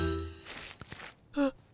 あっ。